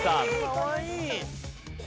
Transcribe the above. かわいい！